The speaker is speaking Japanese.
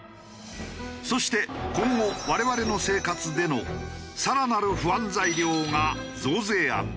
そして今後我々の生活での更なる不安材料が増税案だ。